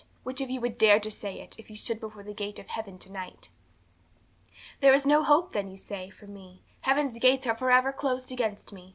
Which of you would dare to say it, if you stood before the gate of heaven to night? 'There is no hope, then, you say, for me; heaven's gates are for ever closed against me.